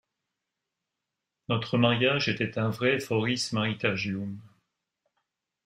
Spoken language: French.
Notre mariage était un vrai forismaritagium.